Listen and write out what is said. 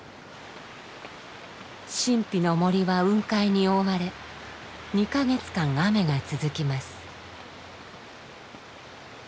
神秘の森は雲海に覆われ２か月間雨が続きます。